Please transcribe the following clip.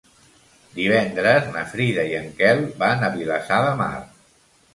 Divendres na Frida i en Quel van a Vilassar de Mar.